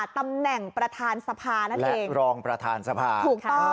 ตำแหน่งประทานสภานั่นเอง